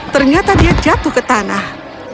ternyata dia jatuh ke tanah